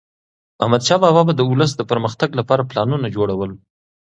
احمدشاه بابا به د ولس د پرمختګ لپاره پلانونه جوړول.